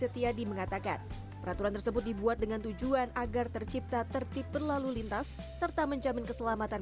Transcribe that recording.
tersebut dibuat dengan tujuan agar tercipta tertib berlalu lintas serta menjamin keselamatan